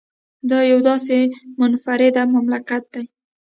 دا یو داسې منفرده مملکت دی